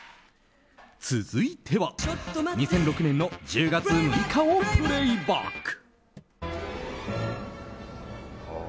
続いては２００６年の１０月６日をプレイバック。